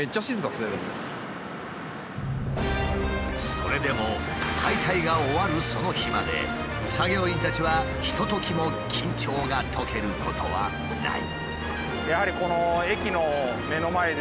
それでも解体が終わるその日まで作業員たちはひとときも緊張が解けることはない。